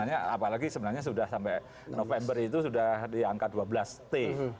apalagi sebenarnya sudah sampai november itu sudah di angka dua belas t